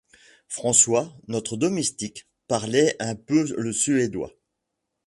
François, notre domestique, parlait un peu le suédois.